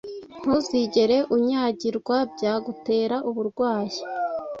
Ntuzigere unyagirwa byagutera uburwayi